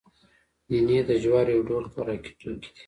نینې د جوارو یو ډول خوراکي توکی دی